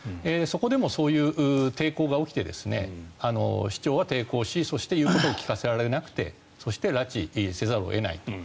そこでもそういう抵抗が起きて市長は抵抗しそして言うことを聞かせられなくてそして拉致せざるを得ない。